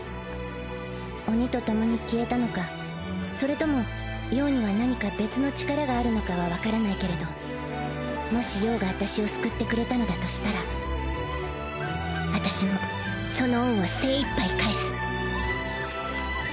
鬼と共に消えたのかそれとも葉には何か別の力があるのかはわからないけれどもし葉が私を救ってくれたのだとしたら私もその恩は精いっぱい返す。